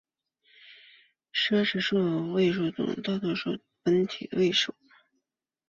奢侈数的总位数大于整数本身的位数。